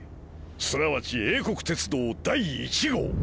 すなわち英国鉄道第１号！